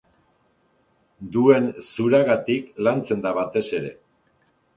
Duen zuragatik lantzen da batez ere.